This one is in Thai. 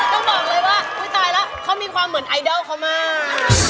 ต้องบอกเลยว่าอุ๊ยตายแล้วเขามีความเหมือนไอดอลเขามาก